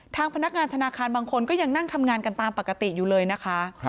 พนักงานธนาคารบางคนก็ยังนั่งทำงานกันตามปกติอยู่เลยนะคะ